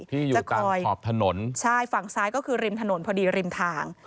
ที่จะคอยขอบถนนใช่ฝั่งซ้ายก็คือริมถนนพอดีริมทาง